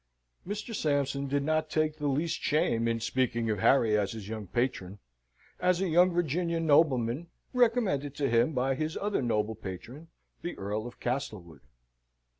Mr. Sampson did not take the least shame in speaking of Harry as his young patron, as a young Virginian nobleman recommended to him by his other noble patron, the Earl of Castlewood.